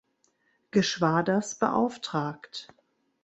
Geschwaders beauftragt.